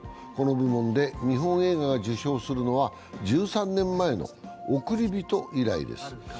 この部門で日本映画が受賞するのは１３年前の「おくりびと」以来です。